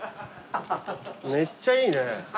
めっちゃいいね。